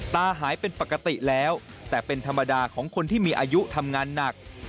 ตายหายเป็นปกติแล้วแต่เป็นธรรมดาของคนที่มีอายุทำงานหนัก